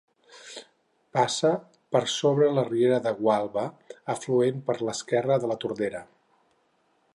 Passa per sobre la riera de Gualba, afluent per l'esquerra de la Tordera.